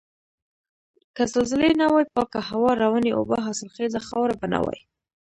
که زلزلې نه وای پاکه هوا، روانې اوبه، حاصلخیزه خاوره به نه وای.